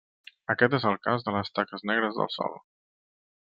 Aquest és el cas de les taques negres del Sol.